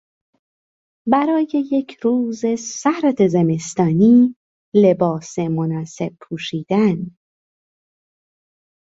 برای یک روز سرد زمستانی لباس مناسب پوشیدن